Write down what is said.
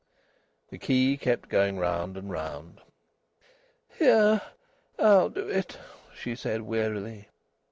The key kept going round and round. "Here! I'll do it," she said wearily.